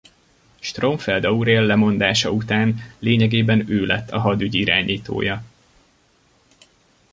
Stromfeld Aurél lemondása után lényegében ő lett a hadügy irányítója.